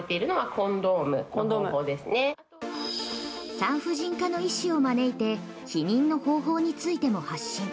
産婦人科の医師を招いて避妊の方法についても発信。